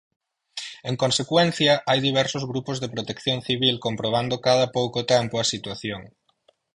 En consecuencia, hai diversos grupos de Protección Civil comprobando cada pouco tempo a situación.